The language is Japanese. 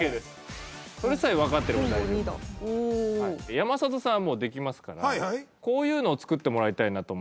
山里さんはもうできますからこういうのを作ってもらいたいなと思います。